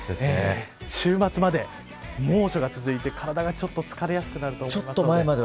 週末まで猛暑が続いて体がちょっと疲れやすくなると思います。